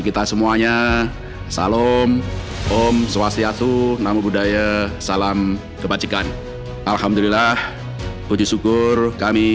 kita semuanya salom om swastiastu nama budaya salam kebajikan alhamdulillah puji syukur kami